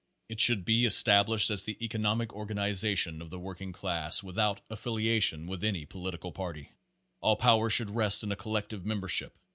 It should be established as the economic organiza tion of the working class, without affiliation with any political party. All power should rest in a collective membership.